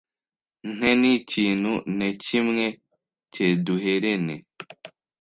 nte kintu ne kimwe cyeduherene